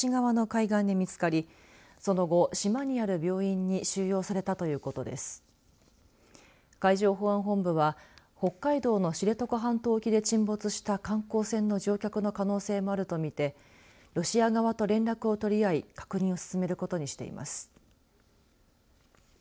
海上保安本部は北海道の知床半島沖で沈没した観光船の乗客の可能性もあると見てロシア側と連絡を取り合い確認を進めることにしています。